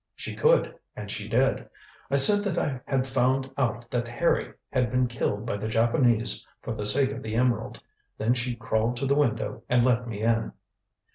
"She could and she did. I said that I had found out that Harry had been killed by the Japanese for the sake of the emerald. Then she crawled to the window and let me in."